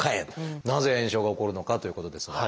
なぜ炎症が起こるのかということですが。